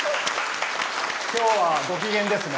今日はご機嫌ですね。